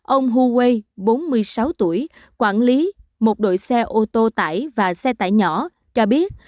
ông huawei bốn mươi sáu tuổi quản lý một đội xe ô tô tải và xe tải nhỏ cho biết